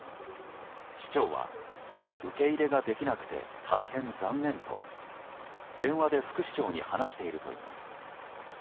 市長は、受け入れができなくて大変残念と電話で副市長に話しているといいます。